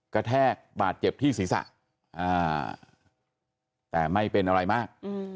แทกบาดเจ็บที่ศีรษะแต่ไม่เป็นอะไรมาก